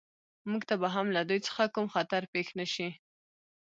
موږ ته به هم له دوی څخه کوم خطر پېښ نه شي